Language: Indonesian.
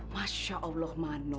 masya allah manu